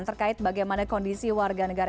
terkait bagaimana kondisi warga negara